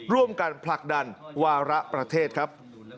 ร่วมกันผลักดันวาระประเทศครับ